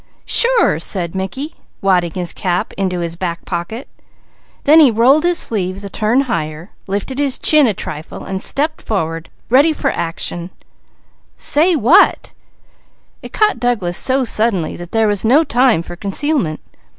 "Sure!" said Mickey, wadding his cap into his back pocket. Then he rolled his sleeves a turn higher, lifted his chin a trifle and stepped forward. "Say what!" It caught Douglas so suddenly there was no time for concealment.